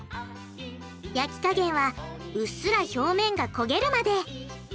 焼き加減はうっすら表面が焦げるまで。